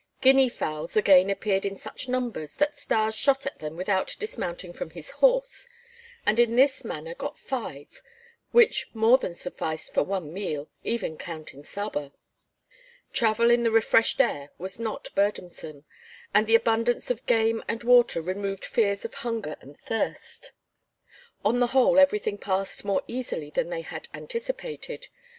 Guinea fowls again appeared in such numbers that Stas shot at them without dismounting from his horse, and in this manner got five, which more than sufficed for one meal, even counting Saba. Travel in the refreshed air was not burdensome, and the abundance of game and water removed fears of hunger and thirst. On the whole everything passed more easily than they had anticipated.